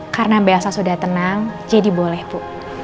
karena biasa sudah tenang jadi boleh bu